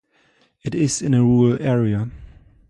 It is in a rural area.